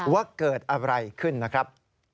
ว่าเกิดอะไรขึ้นนะครับ